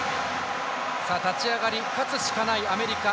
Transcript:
立ち上がり勝つしかないアメリカ。